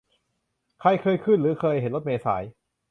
ใครเคยขึ้น หรือ เคยเห็นรถเมล์สาย